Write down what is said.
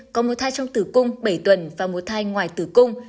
có một thai trong tử cung bảy tuần và một thai ngoài tử cung